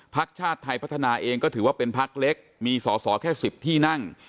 พักชาติไทยพัฒนาเองก็ถือว่าเป็นพักเล็กมีสอสอแค่๑๐ที่นั่ง